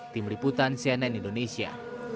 tim riputan cnn indonesia